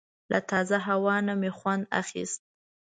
له تازه هوا نه مې خوند اخیست.